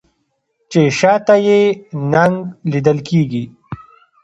چې شا ته یې نهنګ لیدل کیږي